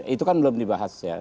itu kan belum dibahas ya